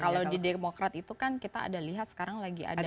kalau di demokrat itu kan kita ada lihat sekarang lagi ada